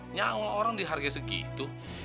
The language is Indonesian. nyawa orang dihargai segitu